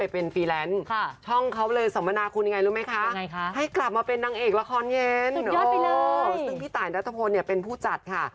โสดที่ต่างนัตภพลิกี่เป็นผู้จัดค่ะ